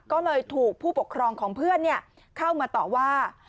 ก็เลยถูกผู้ปกครองของเพื่อนเข้ามาต่อว่า